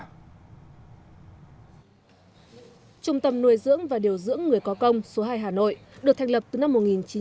trung tâm nuôi dưỡng và điều dưỡng người có công số hai hà nội được thành lập từ năm một nghìn chín trăm chín mươi